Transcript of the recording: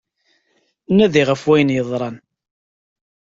Nadi ɣef wayen yeḍran.